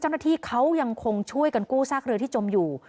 เจ้าหน้าที่เขายังคงช่วยกันกู้ซากเรือที่จมอยู่